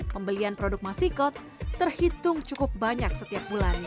pembelian produk masih kot terhitung cukup banyak setiap bulannya